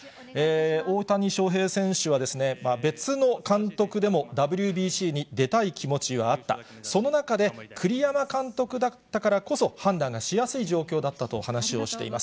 大谷翔平選手は別の監督でもＷＢＣに出たい気持ちはあった、その中で、栗山監督だったからこそ判断がしやすい状況だったと話をしています。